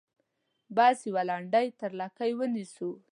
بس یوه لنډۍ تر لکۍ ونیسو.